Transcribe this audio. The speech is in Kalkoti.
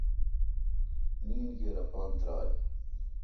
نین کیر اپان تیرال۔